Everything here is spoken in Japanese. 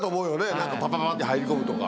何かパパパって入り込むとか。